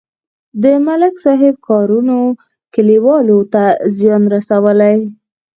د ملک صاحب کارونو کلیوالو ته زیان رسولی.